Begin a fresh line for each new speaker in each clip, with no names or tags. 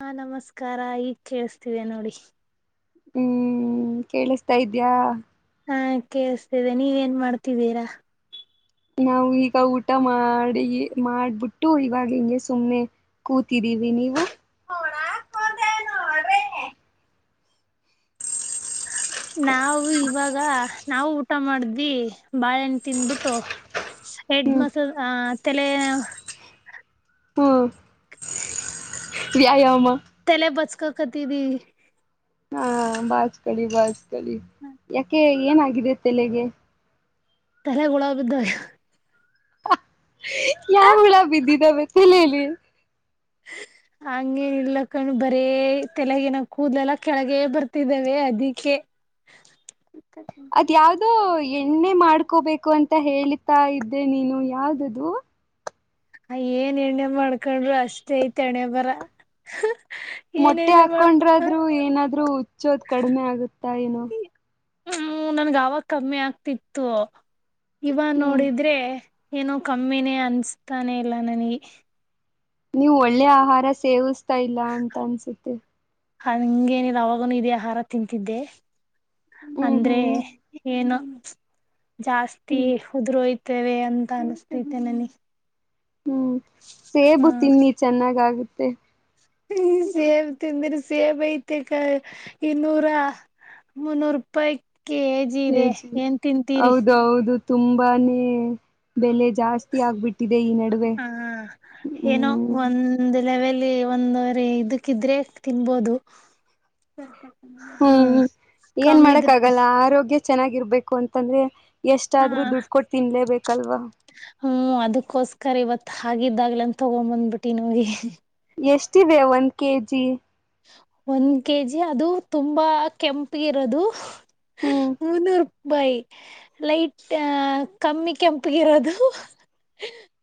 ಹಾ ನಮಸ್ಕಾರ ಈಗ ಕೇಳಸ್ತೀದೆ ನೋಡಿ.
ಹ್ಮ ಕೇಳಿಸ್ತಾ ಇದ್ಯಾ.
ಹಾ ಕೇಳಿಸತಿದೆ ನೀವ ಏನ್ ಮಾಡ್ತಿದ್ದೀರಾ.
ನಾವ ಈಗ ಊಟ ಮಾಡಿ ಮಾಡ್ಬಿಟ್ಟು ಇವಾಗ ಹಿಂಗೆ ಸುಮ್ಮನೆ ಕೂತ ಇದೀನಿ ನೀವು
ನಾವು ಇವಾಗ ನಾವು ಊಟ ಮಾಡ್ದಿ ಬಾಳೆಣ ತಿಂದಿಟ್ಟು ಹೆಡ್
ಹ್ಮ್
ಮಸಲ್ ಆ ತಲೆ
ಹ್ಮ.
ತಲೆ ಬಚ್ಕಕತಿದಿ.
ಹಾ ಬಾಚ್ಕಳಿ ಬಾಚ್ಕಳಿ ಯಾಕೆ ಏನಾಗಿದೆ ತೆಲೆಗೆ.
ತಲೆಗ ಹುಳ ಬಿದ್ದಾವ.
ಯ ಹುಳ ಬಿದ್ದಿದಾವೆ ತಲೇಲಿ
[inaudible] ಹಂಗೇನೀಲ್ಲ ಕಣ್ ಬರೇ ತೆಲೆಗಿನ ಕೂದಲ ಎಲ್ಲಾ ಕೆಳಗೆ ಬರ್ತಿದ್ದಾವೆ ಅದಿಕ್ಕೆ [inaudible]
ಅದ್ ಯಾವ್ದೋ ಎಣ್ಣೆ ಮಾಡ್ಕೋಬೇಕು ಅಂತ ಹೇಳಿ ತಾ ಇದ್ದೆ ನೀನು ಯಾವ್ದದು.
ಏನ್ ಎಣ್ಣೆ ಮಾಡ್ಕೊಂಡ್ರು ಅಷ್ಟೇ ಐತೆ ಅಣೆ ಬರ ಏನ್
ಮೊಟ್ಟೆ
ಎಣ್ಣೆ ಮಾಡ
ಹಾಕೊಂಡ್ರಾದ್ರು ಏನಾದ್ರು ಉಚ್ಚೋದ ಕಡಿಮೆ ಆಗುತ್ತಾ ಏನು.
ಹ್ಮ್ ನನ್ಗೆ ಅವಾಗ ಕಮ್ಮಿ ಆಗ್ತಿತ್ತು ಇವ
ಹ್ಮ್
ನೋಡಿದ್ರೆ ಏನೋ ಕಮ್ಮಿನೇ ಅನ್ಸ್ತಾನೆ ಇಲ್ಲ ನನಗೆ
ನೀವು ಒಳ್ಳೆ ಆಹಾರ ಸೇವಿಸ್ತಾ ಇಲ್ಲ ಅಂತ ಅನ್ಸುತ್ತೆ
ಹ ಹಂಗೇನಿಲ್ಲ ಅವಾಗನುಇದೇ ಆಹಾರ ತಿಂತಿದ್ದೆ
ಹ್ಮ್
ಅಂದ್ರೆ
ಹ್ಮ್
ಏನು ಜಾಸ್ತಿ
ಹ್ಮ್
ಉದು್ರೋಯ್ತ [unintelligible] ವೆ ಅಂತ ಅನಿಸ್ತೈತೆ ನನಗೆ
ಹ್ಮ್ ಸೇಬು ತಿನ್ನಿ ಚೆನ್ನಾಗಾಗುತ್ತೆ
ಹ ಸೇಬ ತಿಂದ್ರಿ ಸೇಬ ಐತೆ ಇನ್ನೂರ ಮುನ್ನೂರು ರೂಪಾಯಿ ಕೆಜಿ ಇದೆ
ಜ
ಏನ್ ತಿಂತೀರಿ
ಹೌದೌದು ತುಂಬಾನೇ ಬೆಲೆ ಜಾಸ್ತಿ ಆಗ್ಬಿಟ್ಟಿದೆ ಈ ನಡುವೆ
ಹ ಏನೋ
ಹ್ಮ್
ಒಂದ್ ಲೆವೆಲ್ ಒಂದವರೆ ಇದಕ್ಕ ಇದ್ರೆ ತಿನ್ಬೋದು ಹ
ಹ್ಮ್ ಏನ್ ಮಾಡಕ್
ಕಮ್ಮಿದ್ರ
ಆಗಲ್ಲ ಆರೋಗ್ಯ ಚೆನ್ನಾಗಿರ್ಬೇಕು ಅಂತಂದ್ರೆ ಎಷ್ಟಾದ್ರೂ
ಹ
ದುಡ್ಡು ಕೊಟ್ಟ ತಿನ್ಲೇಬೇಕಲ್ವಾ
ಹ್ಮ್ ಅದಕ್ಕೋಸ್ಕರ ಇವತ್ ಹಾಗಿದ್ದಾಗ್ಲನ್ ತೊಗೊ್ ಬಂದ್ಬಿಟ್ಟಿ ನೋಗೆ
ಎಷ್ಟಿದೆ ಒಂದ ಕೆಜಿ
ಒಂದ್ ಕೆಜಿ ಅದು ತುಂಬಾ ಕೆಂಪಗಿರೋದು
ಹ್ಮ್
ಮುನ್ನೂರು ಬೈ ಲೈಟ್ ಕಮ್ಮಿ ಕೆಂಪಗಿರೋದು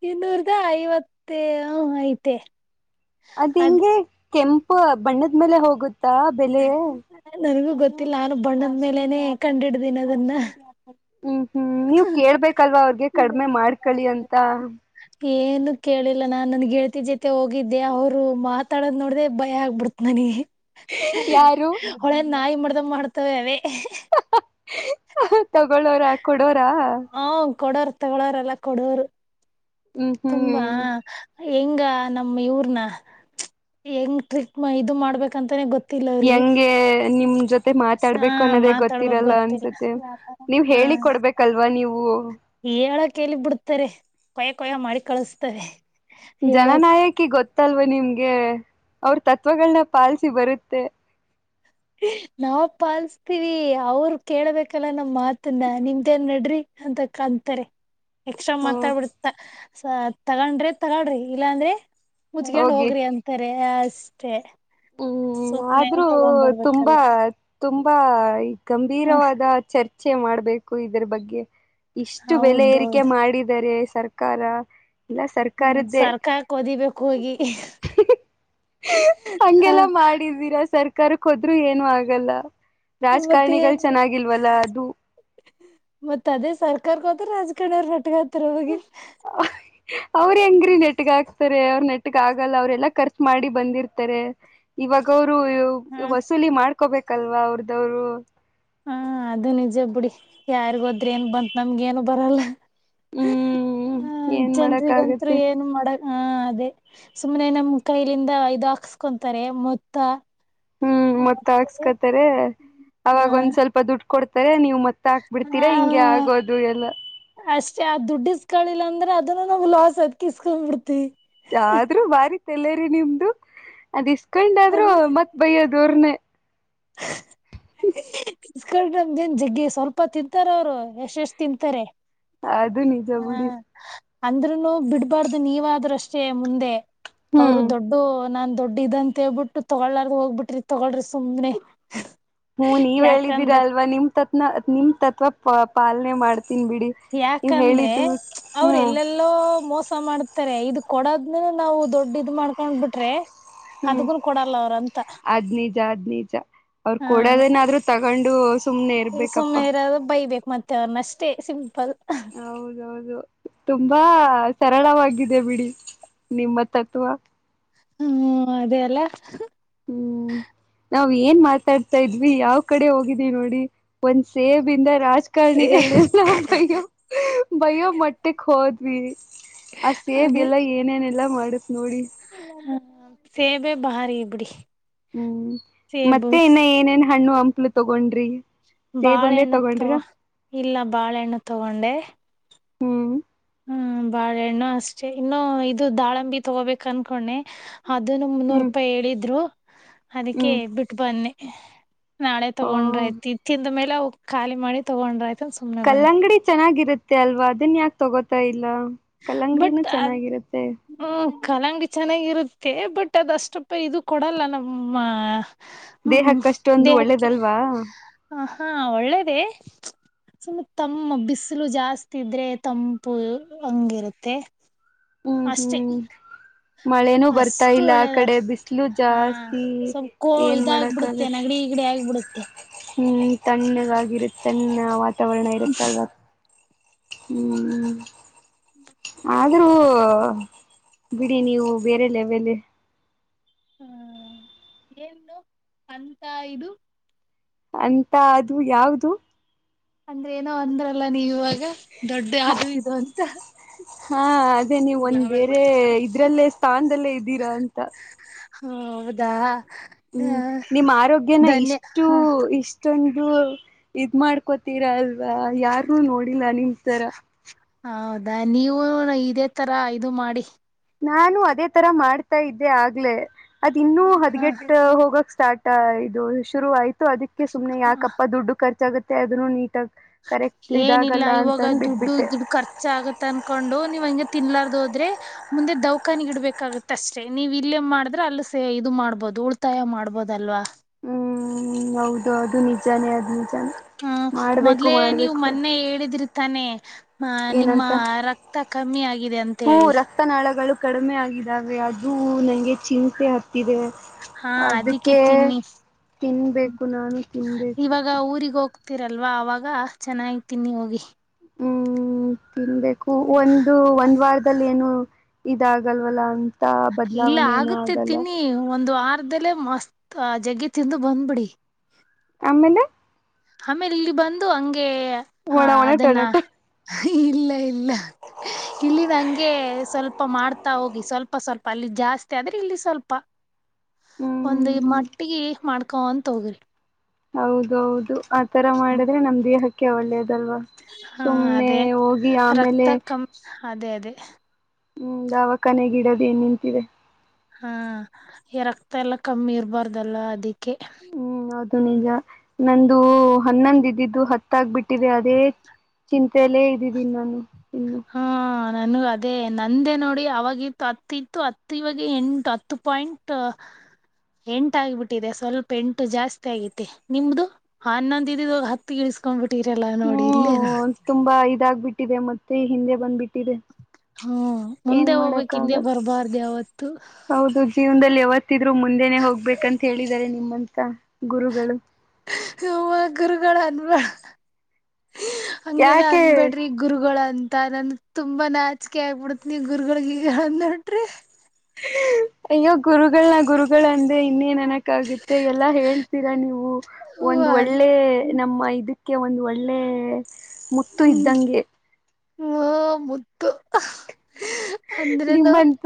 ಇನ್ನೂರ್ದ ಐವತ್ತ ಹ ಐತೆ
ಅದ್
ಅ
ಹೆಂಗೆ ಕೆಂಪು ಬಣ್ಣದ ಮೇಲೆ ಹೋಗುತ್ತಾ ಬೆಲೆ
ನಗೂ ಗೊ ಗೊತ್ತಿಲ್ಲ ನಾರು ಬಣ್ಣದ ಮೇಲೆನೆ ಕಂಡಿಡ್ದೀನ ಅದನ್ನ
ಹ್ಮ್ ಹ್ಮ್ ನೀವ ಕೇಳ್ಬೇಕಲ್ವಾ ಅವ್ರಗೆ ಕಡಿಮೆ ಮಾಡ್ಕಳಿ ಅಂತ
ಏನು ಕೇಳಿಲ್ಲ ನಾನ್ ನನ್ ಗೆಲ್ತಿ ಜೊತೆ ಹೋಗ ಅವರು ಮಾತಾಡೋದು ನೋಡ್ರೆ ಭಯ ಆಗ್ಬಿಡ್ತ ನನ
ಯಾರು
ನಾಯಿ ಮಾಡ್ದ ಮಾಡ್ತವ ಅದೇ
ತಗಳೋರ ಕೊಡೋರ
ಹ ಕೊಡೋರ್ ತಗೊಳ್ಳೋರೆಲ್ಲ ಕೊಡೋರು
ಹ್ಮ್
ತುಂಬಾ
ಹ್ಮ್
ಹೆಂಗ ನಮ್ ಇವ್ರನ ಹೆಂಗ್ ಟ್ರಿಕ್ ಇದು ಮಾಡ್ಬೇಕಂತಾನೆ ಗೊತ್ತ
ಹೆಂಗೆ ನಿಮ್ ಜೊತೆ ಮತ್ತೆ
ಹ
ಮಾತಾಡ್ಬೇಕು ಅನ್ನೋದೇ
ಮಾತಾಡ್ಬೇಕಕ್
ಗೊತ್ತಿರಲ್ಲ
ಗೊತ್ತಿಲ್ಲ
ಅನ್ಸುತ್ತೆ ನೀವು ಹೇಳಿ ಕೊಡ್ಬೇಕಲ್ವಾ ನೀವು
ಹೇಳ ಕಲಿಗ್ ಬಿಡ್ತಾರೆ ಕೊಯ ಕೊಯ ಮಾಡಿ ಕಳಸ್ತಾರೆ ಹೇಳಕ್
ಜನನಾಯಕಿ ಗೊತ್ತಲ್ವಾ ನಿಮ್ಗೆ ಅವ್ರ ತತ್ವಗಳನ್ನ ಪಾಲಸಿ ಬರುತ್ತೆ
ನಾವ ಪಾಲಸ್ತೀವಿ ಅವರು ಕೇಳ್ಬೇಕಲ್ಲ ನಮ್ ಮಾತನ್ನ ನಿಮ್ದೇನ್ ನಡ್ರಿ ಅಂತ ಕಂತಾರೆ ಎಕ್ಸ್ಟ್ರಾ
ಹ್ಮ
ಮಾತಾಡ್ಬಿಡ್ ತಗೊಂಡ್ರೆ ತಗಳ್ರಿ ಇಲ್ಲಾ ಅಂದ್ರೆ ಮುಜ್ಕೊಂಡ್
ಹೋಗಿ
ಹೋಗ್ರಿ ಅಂತಾರೆ ಅಷ್ಟೆ
ಹ್ಮ್ ಆದ್ರೂ ತುಂಬಾ ತುಂಬಾ
ಹ್ಮ
ಗಂಭೀರವಾದ ಚರ್ಚೆ ಮಾಡ್ಬೇಕು ಇದ್ರ ಬಗ್ಗೆ ಇಷ್ಟು ಬೆಲೆ ಏರಿಕೆ
ಹೌದೌದು
ಮಾಡಿದರೆ ಸರ್ಕಾರ ಇಲ್ಲ
ಹ್ಮ
ಸರ್ಕಾರದ್ದೇ
ಸರ್ಕಾರಕ್ ಓದಿಬೇಕು ಹೋಗಿ ಹ
ಹಂಗೆಲ್ಲ ಮಾಡಿದೀರಾ ಸರ್ಕಾರಕ್ಕೆ ಹೋದ್ರ ಏನು ಆಗಲ್ಲ
ಮತ್ತ
ರಾಜಕಾರಣಿಗಳು
ಎನು
ಚೆನ್ನಾಗಿಲ್ವಲ್ಲ ಅದು
ಮತ್ತ ಅದೇ ಸರ್ಕಾರ ರಾಜಕಣಾರ್ ಮಟಗಾತ್ರ ಹೋಗಿ [unintelligible]
ಅವ್ರು ಹೆಂಗ್ರೀ ನೆಟ್ಗ ಹಾಕ್ತಾರೆ ಅವ್ರ ನೆಟ್ಗ ಆಗಲ್ಲ ಅವ್ರೆಲ್ಲಾ ಖರ್ಚು ಮಾಡಿ ಬಂದಿರ್ತಾರೆ ಇವಾಗ ಅವರು
ಹಾ
ವಸೂಲಿ ಮಾಡ್ಕೋಬೇಕಲ್ವಾ ಅವ್ರದವರು
ಹಾ ಅದು ನಿಜ ಬಿುಡಿ ಯಾರಿಗೋದ್ರೆ ಏನ್ ಬಂತ್ ನಮ್ಗ ಏನು ಬರಲ್ಲ
ಹ್ಮ್
ಹ
ಏನ್ ಮಾಡಕ್
ಜನ್ರಿಗಂತರು
ಆಗತ್ತೆ
ಏನು ಮಾಡಕ್ [unintelligible] ಹಾ ಅದೇ ಸುಮ್ಮ್ನೆ ನಮ ಕೈಲಿಂದ ಇದು ಹಾಕ್ಸ್ಕೊಂತಾರೆ ಮೊತ್ತ
ಹ್ಮ್ ಮತ್ತ ಹಾಕ್ಸ್ಕತಾರೆ
ಹ
ಅವಾಗ ಒಂದ್ ಸ್ವಲ್ಪ ದುಡ್ ಕೊಡ್ತಾರೆ ನೀವ್ ಮತ್ತ ಹಾಕ್ಬಿಡ್ತೀರಾ ಹಿಂಗೆ ಆಗೋದು ಎಲ್ಲ
ಏ ದುಡ್ಡು ಇಸಕಳಿಲ್ಲ ಅಂದ್ರೆ ಅದನು ನಾವು ಲಾಸ್ ಅದ್ಕ ಇಸ್ಕೊಂಡ್ ಬಿಡ್ತಿವಿ
ಆದ್ರೂ ಬಾರಿ ತಲೆ ರಿ ನಿಮ್ದು ಅದ್ ಇಸ್ಕೊಂಡಾದ್ರು ಮತ್ ಬೈಯ್ಯದೂರ್ನೆ
[unintelligible] ಇಕೊಂಡ ನಮ್ದೇನ್ ಜಗ್ಗಿ ಸ್ವಲ್ಪ ತಿಂತಾರ ಅವ್ರು ಎಷ್ಟ್ ಎಷ್ಟ ತಿಂತಾರೆ [unintelligible]
ಅದು ನಿಜ ಬಿುಡಿ
ಅಂದ್ರೂನು ಬಿಡ್ಬಾರ್ದು ನೀವಾದ್ರಷ್ಟೇ ಮುಂದೆ ಅವರು
ಹ್ಮ್
ದೊಡ್ಡ ನನ್ ದುಡ್ಡು ಇದೆ ಅಂತ ಹೇಳ್ಬಿಟ್ಟು ತೊಗೊಳ್ಳಳರ್ ಹೋಗ್ಬಿಟ್ರಿ ತೊಗಳ್ರಿ ಸುಮ್ನೆ
ಹ್ಮ್ ನೀವ್ ಹೇಳಿದ್ದೀರಾ
ಯಾಕಂದ್ರೆ
ಅಲ್ವಾ ನಿಮ್ ತತ್ನ ನಿಮ್ ತತ್ವ ಪ ಪಾಲನೆ ಮಾಡ
ಯಾಕಂದ್ರೆ ಅವ್ರ
ಹ್ಮ್
ಎಲ್ಲೆಲ್ಲೋ ಮೋಸ ಮಾಡ ತ ಇದು ಕೊಡದ್ನು ನಾವು ದುಡ್ ಇದ್ ಮಾಡ್ಕೊಂಡ್ ಬಿಟ್ರೆ
ಹ್ಮ್
ಅದ್ಗುನ್ ಕೊಡಲ್ಲ ಅವ್ರಂತ
ಅದ್ ನಿಜ ಅದ್ ನಿಜ ಅವರು ಕೊಡೋದೇನಾದ್ರು ತಗೊಂಡು ಸುಮ್ನೆ
ಈ ಸುಮ್ನೆ
ಇರ್ಬೇಕಪ್ಪಾ
ಇರಾದ್ರ ಬೈಬೇಕಕ್ ಮತ್ತೆ ಅವ್ರನ್ನ ಅಷ್ಟೇ ಸಿಂಪಲ್ [unintelligible]
ಹೌದೌದು ತುಂಬಾ ಸರಳವಾಗಿದೆ ಬಿಡಿ ನಿಮ್ಮ ತತ್ವ
ಹ್ಮ್ ಅದೇ ಅಲ್ಲ
ಹ್ಮ್ ನಾವ್ ಏನ್ ಮಾತಾಡ್ತ ತಾ ಇದ್ವಿ ಯಾವ್ ಕಡೆ ಹೋಗಿದ್ವಿ ನೋಡಿ ಒಂದ್ ಸೇಬಿಂದ ರಾಜಕಾರಣಿಗಳಲ್ಲ ಬಯ್ಯೋ ಬಯ್ಯೋ ಮೊಟ್ಟೆಕ್ ಹೋದ್ವಿ ಆ ಸೇಬ
ಅದೇ
ಎಲ್ಲ ಏನೇನೆಲ್ಲಾ ಮಾಡತ್ ನೋಡಿ
ಹ್ಮ ಬಾರಿ ಇ ಬಿಡಿ
ಹ್ಮ್
ಸೇಬು
ಮತ್ತೆ ಇನ್ನ ಏನೇನ್ ಹಣ್ಣು ಹಂಪ್ಲು ತಗೊಂಡ್ರಿ ಸೇಬ್ ಒಂದೇ
ಬಾಳೆಹೆಣ್ಣು ತ
ತಗೊಂಡ್ರ
ಇಲ್ಲ ಬಾಳೆಹೆಣ್ಣು ತಗೊಂಡೆ
ಹ್ಮ್
ಹ್ಮ ಬಾಳೆಹಣ್ಣು ಅಷ್ಟೆ ಇನ್ನು ಇದು ದಾಳಂಬಿ ತಗೋಬೇಕ ಅನ್ಕೊಂಡೆ ಅದನ್ನು ಮುನ್ನೂರು
ಹ್ಮ್
ರೂಪಾಯಿ ಹೇಳಿದ್ರು ಅದಕ್ಕೆ
ಹ್ಮ್
ಬಿಟ್ಟು ಬನ್ನಿ ನಾಳೆ ತಗೊಂಡ್ರ
ಓ
ಐತಿ ತಿಂದ ಮೇಲೆ ಅವು ಖಾಲಿ ಮಾಡಿ ತಗೊಂಡ್ರ ಆಯಿತು
ಕಲ್ಲಂಗಡಿ ಚೆನ್ನಾಗಿರುತ್ತೆ ಅಲ್ವಾ ಅದನ್ ಯಾಕೆ ತಗೋತಾ ಇಲ್ಲ
ಬಟ್
ಕಲ್ಲಂಗಡಿನೂ
ಅದ್
ಚೆನ್ನಾಗಿರುತ್ತೆ
ಹ್ಮ್ ಕಲಂಗಡಿ ಚೆನ್ನಾಗಿರುತ್ತೆ ಬಟ್ ಅದು ಅಷ್ಟಪ್ಪ ಇದು ಕೊಡಲ್ಲ ನಮ್ಮ ಹ್ಮ್
ದೇಹಕ್ಕಷ್ಟೊಂದು
ದೇಹಕ್ಕೆ
ಒಳ್ಳೇದಲ್ವಾ
ಹ ಹಾ ಒಳ್ಳೇದೆ ಸುಮ್ಮತ್ ತಮ್ಮ ಬಿಸಿಲು ಜಾಸ್ತಿ ಇದ್ರೆ ತಂಪು ಹಂಗಿರುತ್ತೆ
ಹ್ಮ್
ಅಷ್ಟೆ
ಹ್ಮ್ ಮಳೆನೂ ಬರ್ತಾ
ಅಷ್ಟು
ಇಲ್ಲ ಆ
ಒಳ್ಳೇದಾರ
ಕಡೆ ಬಿಸಿಲು
ಹಾ
ಜಾಸ್ತಿ
ಸ್ವಲ್ಪ ಕೋ
ಏನ್
ಇದಾಗಬಿಡುತ್ತೆ
ಮಾಡಕ್ಕಾಗತ್ತೆ
ನಗಡಿ ಈಗಡೆ ಆಗಿಬಿಡುತ್ತೆ
ಹ್ಮ್ ತಣ್ಣಗಾಗಿರುತ್ತೆ ತಣ್ಣ ವಾತಾವರಣ ಇರುತ್ತೆಲ್ಲ ಹ್ಮ್ ಆದ್ರೂ ಬಿಡಿ ನೀವು ಬೇರೆ ಲೆವೆಲ್
ಹ್ಮ ಏನು ಅಂತ ಇದು
ಅಂತ ಅದು ಯಾವವುದು
ಅಂದ್ರೆ ಏನೋ ಅಂದ್ರಲ್ಲ ನೀವ ಇವಾಗ ದೊಡ್ಡ ಆದದು ಇದು ಅಂತ
ಹಾ ಅದೇ ನೀವ
ಇಲ್ಲ
ಒಂದ್
ಅವೆಲ್ಲ
ಬೇರೆ ಇದ್ರಲ್ಲೇ ಸ್ಥಾನದಲ್ಲೇ ಇದ್ದೀರಾ ಅಂತ
ಹಾ ಹೌದಾ ಹ
ಹ್ಮ್ ನಿಮ್ಮ್ ಆರೋಗ್ಯನ
ಧನ್ಯ
ಇಷ್ಟು
ಹ
ಇಷ್ಟೊಂದು ಇದ್ ಮಾಡ್ ಕೋತೀರ ಅಲ್ವಾ ಯಾರೂ ನೋಡಿಲ್ಲ ನಿಮ ತರ
ಅದ ನೀವು ಇದೇ ತರ ಇದು ಮಾಡಿ
ನಾನು ಅದೇ ತರ ಮಾಡ್ತಾ ಇದ್ದೆ ಆಗ್ಲೆೇ ಅದ್ ಇನ್ನುೂ ಹದ್ಗೆಟ್ಟ ಹೋಗಕ್ ಸ್ಟಾರ್ಟ್ ಇದು ಶುರು ಆಯ್ತು ಅದಕ್ಕೆ ಸುಮ್ನೆ
ಹ
ಯಾಕಪ್ಪ ದುಡ್ಡು ಖರ್ಚಾಗುತ್ತೆ ಅದನ್ನು ನೀಟಾಗಿ ಕರೆಕ್ಟ್
ಏನಿಲ್ಲ
ಇದಾಗಲ್ಲ
ಇವಾಗ
ಅಂತಂದ
ದುಡ್ಡು
ಬಿಟ್ಬಿಟ್ಟೆ
ದುಡ್ ಖರ್ಚ ಆಗತ್ತ ಅನ್ಕೊಂಡು ನೀವ್ ಹಂಗಗೆ ತಿನ್ಲಾರ್ದ ಹೋದ್ರೆ ಮುಂದೆ ದೌಖಾನಿ ಇಡ್ಬೇಕಾಗುತ್ತ ಅಷ್ಟೇ ನೀವು ಇಲ್ಲೇ ಮಾಡಿದ್ರೆ ಅಲ್ಲಿ ಸೇ ಇದು ಮಾಡ್ಬೋದು ಉಳಿತಾಯ ಮಾಡ್ಬೋದಲ್ವಾ
ಹ್ಮ್ ಹೌದು ಅದು ನಿಜಾನೇ ಆದ್್ಮ
ಹ್ಮ ಮೊದ್ಲೇ ನೀವು ಮೊನ್ನೆ ಹೇಳಿದಿರ್ತಾನೆ ಹ ನಿಮ್ಮ
ಏನಂತ
ರಕ್ತ ಕಮ್ಮಿ ಆಗಿದೆ ಅಂತ
ಹೂ
ಹೇಳಿ
ರಕ್ತನಾಳಗಳು ಕಡಿಮೆ ಆಗಿದ್ದಾವೆ ಅದುೂ ನಂಗೆ ಚಿಿನ್ತೆೆ ಹತ್ತಿದೆ
ಹಾ
ಅದಕ್ಕೆ
ತಿನ್ನಿ
ತಿನ್ಬೇಕು ನಾನು ತಿನ್ಬೇಕು
ಹತಿರಲ್ವ ಅವವಾಗ ಚೆನ್ನಾಗತೀನಿ ಹೋಗಿ
ಹ್ಮ್ ತಿನ್ಬೇಕು ಒಂದು ಒಂದ್ ವಾರದಲ್ಲಿ ಏನು ಇದಾಗಲ್ವಲ್ಲ ಅ
ಇಲ್ಲ ಆಗುತ್ತೆ ತಿನ್ನಿ ಒಂದು ಆ ದಲ್ಲೇ ಮಸ್ತ್ ಆ ಜಗ್ಗಿ ತಿಂದು ಬಂದ್ ಬಿಿಡಿ
ಆಮೇಲೆ
ಆಮೇಲೆ ಇಲ್ಲಿ ಬಂದು ಹಂಗೆ ಹಾ
ಒಣ ಒಣ
ಅದನ್ನ
ಟೊಮೆಟೊ
ಇಲ್ಲ ಇಲ್ಲ ಇಲ್ಲಿಂದ ಹಂಗೆ ಸ್ವಲ್ಪ ಮಾಡ್ತ ಹತಾ ಹೋಗಿ ಸ್ವಲ್ಪ ಸ್ವಲ್ಪ ಅಲ್ಲಿ ಜಾಸ್ತಿ ಆದ್ರೆ ಇಲ್ಲಿ ಸ್ವಲ್ಪ ಒಂದ
ಹ್ಮ್
ಮಟ್ಟಗಿ ಮಾಡ್ಕೊಂತ ಹೋಗ್ರಿ
ಹೌದ ಹೌದು ಆ ತರ ಮಾಡಿದ್ರೆ ನಮ್ ದೇಹಕ್ಕೆ ಒಳ್ಳೇದು ಲ್ವಾ
ಹಾ
ಸುಮ್ನೆ
ಅದೇ
ಹೋಗಿ ಆಮೇಲೆ
ರಕ್ತ ಕಮ್ ಅದೇ ಅದೇ
ಹ್ಮ್ ದಾವಕ್ಕನೆಗಿಡೋದ ಏನ್ ನಿಂತಿದೆ
ಹಾ ಈ ರಕ್ತ ಎಲ್ಲ ಕಮ್ಮಿ ಇರ್ಬಾರ್ದಲ್ಲ ಅದಿಕ್ಕೆ
ಹ್ಮ್ ಅದು ನಿಜ ನಂದು ಹನ್ನೊಂದ ಇದ್ದಿದ್ದು ಹತ್ತಾಗಬಿಟ್ಟಿದೆ ಅದೇ ಚಿ ತಲೆ ಇದ್ದಿದ್ದೀಿ ನಾನು ಇನ್ನು
ನನಗ ಅದೇ ನಂದೇ ನೋಡಿ ಅವವಾಗಿ ಇತ್ತು ಹತ್ತ ಇತ್ತು ಹತ್ತು ಇವಾಗ ಎಂಟು ಹತ್ತು ಪಾಯಿಂಟ್ ಎಂಟ ಆಗಬಿಟ್ಟಿದೆ ಸ್ವಲ್ಪ ಎಂಟು ಜಾಸ್ತಿ ಆಗೈತಿ ನಿಮ್ದು ಹನ್ನೊಂದ ಇದಿದ ಹತ್ತು ಗಿಳಿಸಕೊಂಡ್ಬಿಟ್ಟು ಇಟ್ಟೀರಲ್ಲ ನೋಡಿ ಇಲ್ಲೇ ನಾ
ಹ್ಮ್ ತುಂಬಾ ಇದಾಗಬಿಟ್ಟಿದೆ ಮತ್ತೆ ಹಿಂದೆ ಬಂದ್ಬಿಟ್ಟಿದೆ
ಹ್ಮ್
ಏನ್
ಮುಂದೆ ಹೋಗ್ಬೇಕಕ್
ಮಾಡಕ್ಕ
ಹಿಂದೆ
ಆಗಲ್ಲ
ಬರ್ಬಾರ್ದ ಯಾವತ್ತು
ಹೌದು ಜೀವನದಲ್ಲಿ ಯಾವತ್ತು ಹಿದ್ರು ಮುಂದೆನೆ ಹೋಗ್ಬೇಕಂತ ಹೇಳಿದಿದ್ದಾರೆ ನಿಮ್ಮಂತ ಗುರುಗಳು
ುಗಳು ಅನ್ಬ್ಯಾಡ ಹಂಗೆಲ್ಲ
ಯಾಕೆ
ಅನ್ಬೇಡ್ರಿ ಗುರುಗಳ ಅನ್ ನನ್ ತುಂಬಾ ನಾಚಿಕೆ ಆಗ್ಬಿಡತ್ ನೀ ಗುರುಗಳಿಗೆ ನೋಡ್ರಿ
ಅಯ್ಯೋ ಗುರುಗಳನ ಗುರುಗಳು ಅಂದ ಇನ್ನೇನ ನಕಾಗುತ್ತೆ ಎಲ್ಲಾ ಹೇಳ್ತೀರಾ ನೀವು
ಹೂವ
ಒಂದ ಒಳ್ಳೆ ನಮ್ಮ ಇದ ಅಕಕ್ಕೆ ಒಂದು ಒಳ್ಳೆ ಮುತ್ತು ಇದ್ದಂಗೆ
ಹ್ಮ ಮುದ್ದು
ನಿಮ್ಮಂತ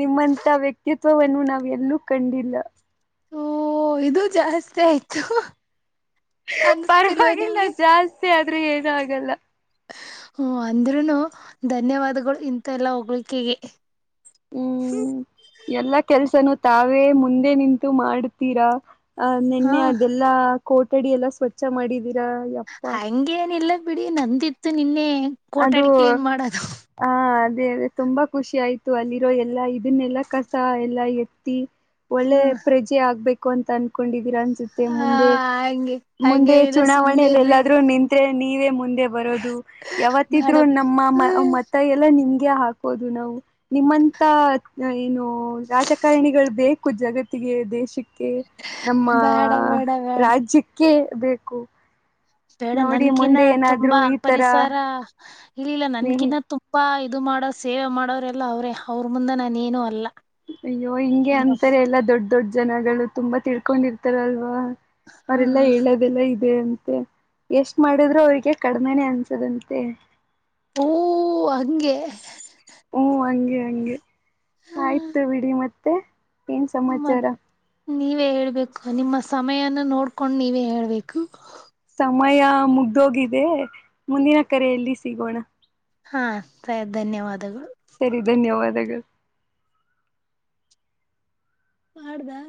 ನಿಮ್ಮಂತ ವ್ಯಕ್ತಿತ್ವವನ್ನು ನಾವ್ ಎಲ್ಲೂ ಕಂಡಿಲ್ಲ
ಓ ಇದು ಜಾಸ್ತಿ ಆಯ್ತು ಅನ್ಸ್ತಿಲ್ವಾ
ಪರವಾಗಿಲ್ಲ
ನಿಮ್ಗೆ
ಜಾಸ್ತಿ ಆದ್ರೂ ಏನು ಆಗಲ್ಲ
ಹ ಅಂದ್ರೂನು ಧನ್ಯವಾದಗಳು ಇಥ ಎಲ್ಲಾ ಹೋಗ್ಲಿಿಕೆಗೆ
ಹ್ಮ್ ಎಲ್ಲಾ ಕೆಲ್ಸನು ತಾವೇ ಮುಂದೆ ನಿಂತು ಮಾಡತೀರಾ ಅ
ಹಾ
ನಿೆನ್ನೆ ಅದೆಲ್ಲಾ ಕೋಟಡಿ ಎಲ್ಲ ಸ್ವಚ್ಛ ಮಾಡಿದೀರಾ ಯಪ್ಪ
ಹಂಗೇನಿಲ್ಲ ಬಿಡಿ ನಂದಿತ್ತು ನಿನ್ನೆ ಕೋಟಾಡಿ ಕ್ಲೀನ್ ಮಾಡದು
ದೇ ತುಂಬಾ ಖುಷಿ ಆಯ್ತು ಅಲ್ಲಿರೋ ಎಲ್ಲಾ ಇದನ್ನೆಲ್ಲಾ ಕಸ ಎಲ್ಲಾ ಎತ್ತಿ ಒಳ್ಳೆ
ಹ್ಮ
ಪ್ರಜೆ ಆಗ್ಬೇಕು ಅಂತ ಅನ್ಕೊಂಡಿದ ನ್ಸುತ್ತೆ
ಹಾ
ಮುಂದೆ
ಹಂಗೆ
ಮುಂದೆ
ಹಂಗೇನಿಲ್ಲ ಸುಮ್ನೆ
ಚುನಾವಣೆಯಲ್ಲಿ
ಇರ್ರಿ
ಎಲ್ಲಾದ್ರೂ ನಿಂತೇ ನೀವೇ ಮುಂದೆ ಬರೋದು
ಬೇಡ
ಯಾವತ್ತಿದ್ರು ನಮ್ಮ
ಹ
ಮ ಎಲ್ಲ ನಿಮ್ದ ಹಾಕೋದು ನಾವು ನಿಮ್ಮಂತ ಏನು ರಾಜಕಾರಣಿಗಳು ಬೇಕು ಜಗತ್ತ ಿಗೆ ದೇಶಕ್ಕೆ ನಮ್ಮ
ಬೇಡ ಬೇಡ ಬೇಡ
ರಾಜ್ಯಕ್ಕೆ ಬೇಕು
ಬೇಡ
ನೋಡಿ
ನನ್ಕಿನ
ಮುಂದೆ ಏನಾದ್ರು
ತುಂಬಾ
ಈ ತರ
ಪರಿಸರ ಇಲ್ಲಿಲ್ಲ
ಸ್ನೇಹಿ
ನನ್ಕಿನ ತುಂಬಾ ಇದು ಮಾಡೋ ಸೇವೆ ಮಾಡೋರೆಲ್ಲ ಅವರೇ ಅವ್ರ ಮುಂದೆ ನಾನೇಏನುೂ ಅಲ್ಲ
ಅಯ್ಯೋ ಹಿಂಗೆ ಅಂತಾರೆ ಎಲ್ಲಾ ದೊಡ್ ದೊಡ್ ಜನಗಳು ತುಂಬಾ ತಿಳ್ಕೊಂಡಿರ್ತಾರಲ್ವಾ
ಹ
ಅವರೆಲ್ಲಾ ಹೇಳೋದೆಲ್ಲ ಇ ಅದೇ ಅಂತೆ ಎಷ್ಟ್ ಮಾಡಿದ್ರು ಅವ್ರಿಗೆ ಕಡಿಮನೇ ಅನ್ಸದಂತೆ
ಓ ಹಂಗೆ
ಹಓ ಹಂಗೆ ಹಂಗೆ ಆಯ್ತು ಬಿಡಿ ಮತ್ತೆ ಏನ್ ಸಮಾಚಾರ
ಮತ್ ನೀವೇ ಹೇಳ್ಬೇಕು ನಿಮ್ಮ ಸಮಯನ ನೋಡ್ಕೊಂಡು ನೀವೇ ಹೇಳ್ಬೇಕು
ಮ್ಮಯ ಮುಗ್ದೋಗಿದೆ ಮುಂದಿನ ಕರ ಎೆಯಲ್ಲಿ ಸಿಗೋಣ
ಹಾ ಸ ಧನ್ಯವಾದಗಳು
ಸರಿ ಧನ್ಯವಾದಗಳು
ಮಾಡದಾ